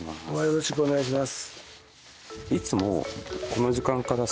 よろしくお願いします。